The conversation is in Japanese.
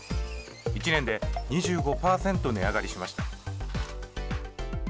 １年で２５％値上がりしました。